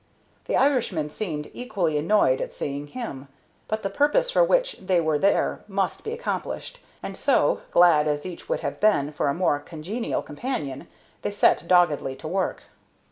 The Irishman seemed equally annoyed at seeing him, but the purpose for which they were there must be accomplished, and so, glad as each would have been for a more congenial companion, they set doggedly to work.